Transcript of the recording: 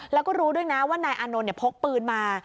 แล้วก็รู้ด้วยนะว่านายอานนท์พกปืนมา